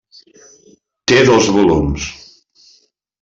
Té dos volums.